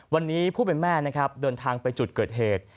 วันนี้ผู้เป็นแม่นะครับเดินทางไปจุดเกิดเหตุ